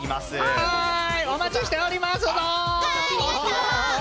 はーい、お待ちしておりますぞー！